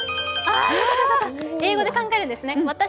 英語で考えるんですね。